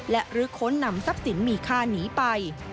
และรื้อค้นนำทรัพย์สินมีค่าหนีไป